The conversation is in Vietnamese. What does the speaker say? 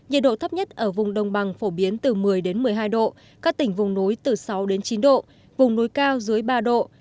nhiệt độ thấp nhất ở vùng đông bằng phổ biến từ một mươi một mươi hai độ các tỉnh vùng núi từ sáu đến chín độ vùng núi cao dưới ba độ